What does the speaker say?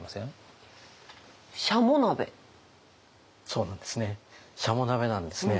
そうなんですね。